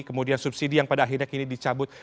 kemudian subsidi yang pada akhirnya kini dicabut